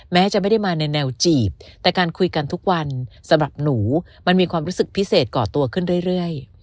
แม้จะไม่ได้มาในแนวจีบแต่การคุยกันทุกวันสำหรับหนูมันมีความรู้สึกพิเศษก่อตัวขึ้นเรื่อย